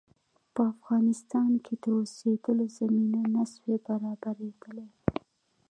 په افغانستان کې د اوسېدلو زمینه نه سوای برابرېدلای.